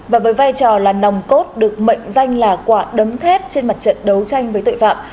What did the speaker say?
và với vai trò là nòng cốt được mệnh danh là quả đấm thép trên mặt trận đấu tranh với tội phạm